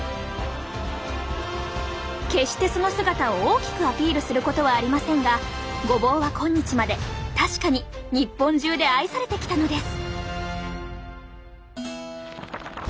決してその姿を大きくアピールすることはありませんがごぼうは今日まで確かに日本中で愛されてきたのです。